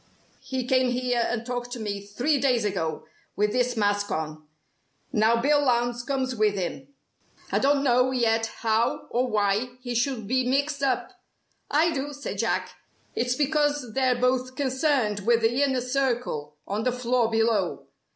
He came here and talked to me three days ago with this mask on. Now Bill Lowndes comes with him. I don't know yet how or why he should be mixed up " "I do," said Jack. "It's because they're both concerned with the Inner Circle, on the floor below.